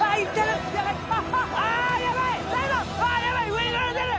上に乗られてる！